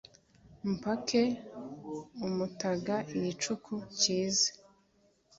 Mpake umutaga igicuku kize